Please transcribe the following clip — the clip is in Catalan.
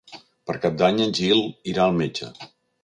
Per Cap d'Any en Gil irà al metge.